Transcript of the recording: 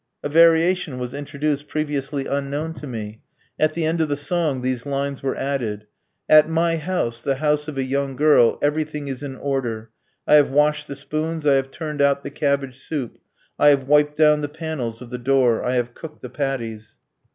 A variation was introduced previously unknown to me. At the end of the song these lines were added: At my house, the house of a young girl, Everything is in order. I have washed the spoons, I have turned out the cabbage soup, I have wiped down the panels of the door, I have cooked the patties.